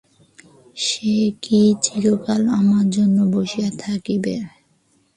সে কি চিরকাল আমার জন্য বসিয়া থাকিবে।